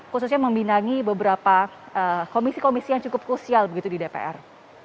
khususnya membinangi beberapa komisi komisi yang cukup krusial begitu di dpr